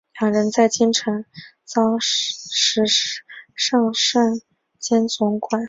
两人在京城遭尚膳监总管海大富擒进宫中。